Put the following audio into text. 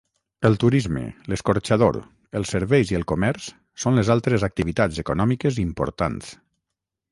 El turisme, l'escorxador, els serveis i el comerç són les altres activitats econòmiques importants.